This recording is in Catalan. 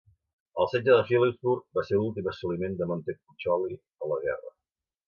El setge de Philippsburg va ser l'últim assoliment de Montecuccoli a la guerra.